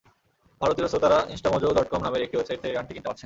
ভারতীয় শ্রোতারা ইনস্টামোজো ডটকম নামের একটি ওয়েবসাইট থেকে গানটি কিনতে পারছেন।